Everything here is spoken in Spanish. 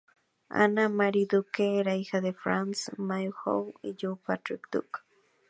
Anna Marie Duke era hija de Frances McMahon y John Patrick Duke.